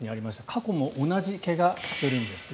過去も同じ怪我をしているんですね。